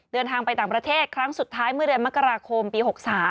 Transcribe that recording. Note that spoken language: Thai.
เดินทางไปต่างประเทศครั้งสุดท้ายเมื่อเดือนมกราคมปี๖๓